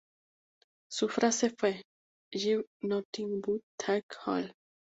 Su frase fue ""Give nothing... but take all"".